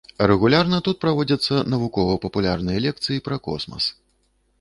Рэгулярна тут праводзяцца навукова-папулярныя лекцыі пра космас.